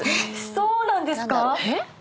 そうなんですか